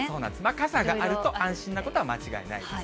傘があると安心なことは間違いないです。